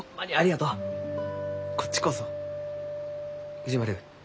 藤丸。